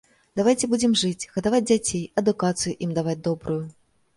Давайце будзем жыць, гадаваць дзяцей, адукацыю ім даваць добрую.